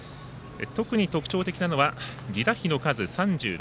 特に特徴的なのが犠打飛の数３６。